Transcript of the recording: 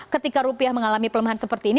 ketika rupiah mengalami pelemahan seperti ini